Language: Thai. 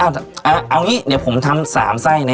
ได้เอานี้เดี๋ยวผมทำ๓ไส้ใน๑อัน